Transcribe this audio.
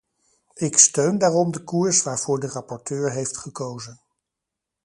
Ik steun daarom de koers waarvoor de rapporteur heeft gekozen.